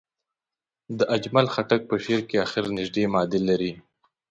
د اجمل خټک په شعر کې اخر نژدې معادل لري.